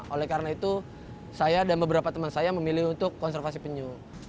oleh karena itu saya dan beberapa teman saya memilih untuk konservasi penyu